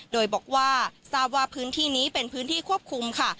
โดยบอกว่าทราบว่าพื้นที่นี้เป็นพื้นที่ควบคุมค่ะ